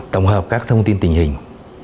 tổng hợp các thông tin tình hình